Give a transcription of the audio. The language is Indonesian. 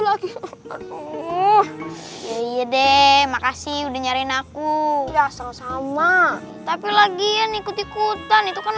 lagi iya deh makasih udah nyariin aku ya asal sama tapi lagi ikut ikutan itu kan